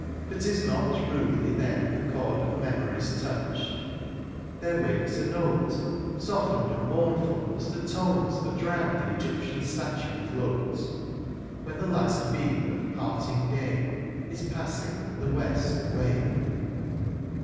For ^tis not rudely then the chord Of memory's touched ; there wakes a note Softened and mournful as the tones That round the Egyptian statue float. When the last beam of parting day Is passing in the west away.